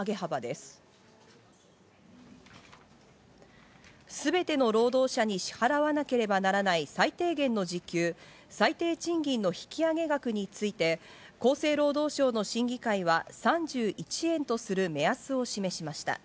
すべての労働者に支払われなければならない最低限の時給＝最低賃金の引き上げ額について、厚生労働省の審議会は３１円とする目安を示しました。